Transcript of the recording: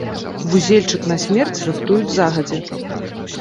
Вузельчык на смерць рыхтуюць загадзя.